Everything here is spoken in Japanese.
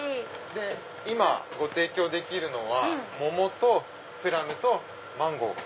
今ご提供できるのは桃とプラムとマンゴー。